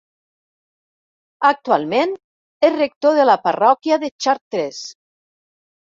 Actualment és rector de la parròquia de Chartres.